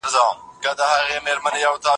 ښه ذهنیت کار نه ځنډوي.